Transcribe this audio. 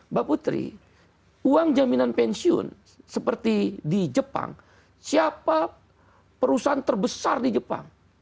mbak putri uang jaminan pensiun seperti di jepang siapa perusahaan terbesar di jepang